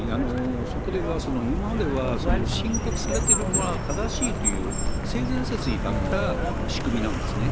そこでは、今までは申告されてるものが正しいという、性善説に立った仕組みなんですね。